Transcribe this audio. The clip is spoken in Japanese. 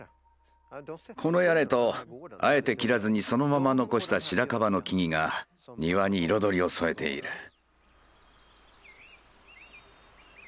この屋根とあえて切らずにそのまま残した白樺の木々が庭に彩りを添えている。